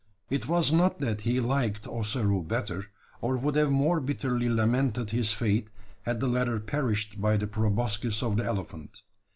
It was not that he liked Ossaroo better, or would have more bitterly lamented his fate, had the latter perished by the proboscis of the elephant.